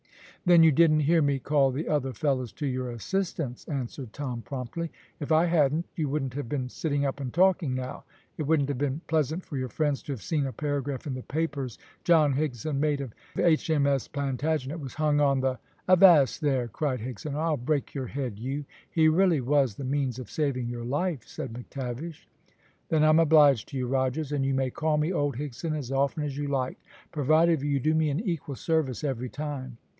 "Then you didn't hear me call the other fellows to your assistance," answered Tom promptly. "If I hadn't you wouldn't have been sitting up and talking now. It wouldn't have been pleasant for your friends to have seen a paragraph in the papers, `John Higson, mate of HMS Plantagenet, was hung on the '" "Avast there," cried Higson, "or I'll break your head, you " "He really was the means of saving your life," said McTavish. "Then I'm obliged to you, Rogers, and you may call me old Higson as often as you like, provided you do me an equal service every time."